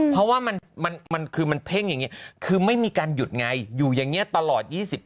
เพราะว่ามันมันคือมันเพลงคือไม่มีการหยุดไงอยู่อย่างงี้ตลอด๒๘